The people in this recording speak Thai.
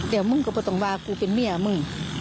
แต่มึงก็ไม่ต้องว่ากูเป็นเมียมึง